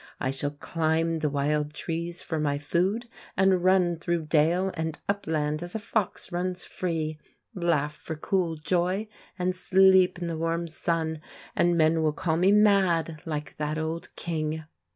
I shall climb The wild trees for my food, and run Through dale and upland as a fox runs free, Laugh for cool joy and sleep i' the warm sun, And men will call me mad, like that old King.